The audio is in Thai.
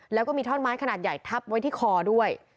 แล้วก็มีท่อนไม้ขนาดใหญ่ทับไว้ที่คอด้วย